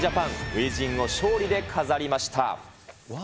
初陣を勝利で飾りました。